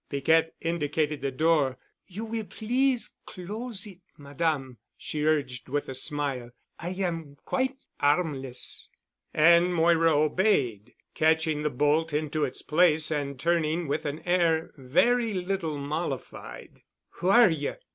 Piquette indicated the door. "You will please close it, Madame," she urged with a smile. "I am quite 'armless." And Moira obeyed, catching the bolt into its place and turning with an air very little mollified. "Who are you?"